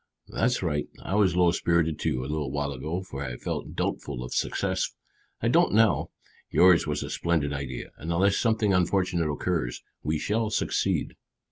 "That's right. I was low spirited, too, a little while ago, for I felt doubtful of success. I don't now. Yours was a splendid idea, and unless something unfortunate occurs we shall succeed."